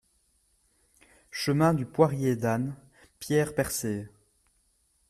Chemin du Poirier d'Anne, Pierre-Percée